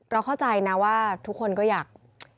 เข้าใจนะว่าทุกคนก็อยาก